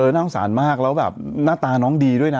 น่าสงสารมากแล้วแบบหน้าตาน้องดีด้วยนะ